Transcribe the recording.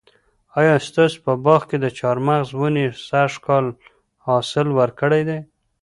آیا ستاسو په باغ کې د چهارمغز ونې سږ کال حاصل ورکړی دی؟